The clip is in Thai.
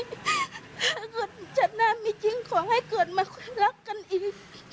ถ้าเงินชาติหน้ามีจริงขอให้เกิดมารักกันอีก